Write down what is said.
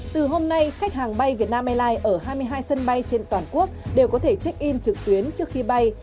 từ hôm nay khách hàng bay việt nam airlines ở hai mươi hai sân bay trên toàn quốc đều có thể check in trực tuyến trước khi bay